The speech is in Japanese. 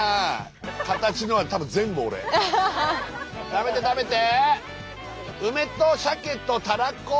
食べて食べて！